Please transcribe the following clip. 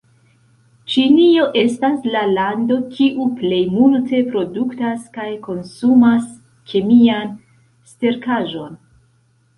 Ĉinio estas la lando kiu plej multe produktas kaj konsumas kemian sterkaĵon.